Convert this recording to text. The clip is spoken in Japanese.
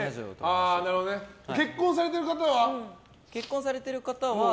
結婚されてる方は？